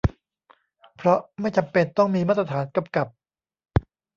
เพราะไม่จำเป็นต้องมีมาตรฐานกำกับ